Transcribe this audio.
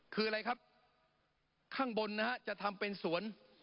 คืออะไรครับข้างบนนะฮะจะทำเป็นสวน